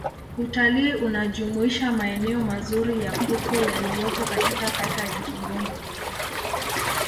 Utalii unajumuisha maeneo mazuri ya fukwe yaliyopo katika kata ya Kigombe